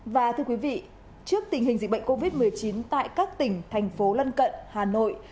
và thưa quý vị trước tình hình dịch bệnh covid một mươi chín tại các tỉnh thành phố lân cận hà nội